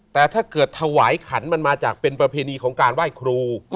แต่ถ้าเกิดถวายขันมันมาจากเป็นประเพณีของการไหว้ครู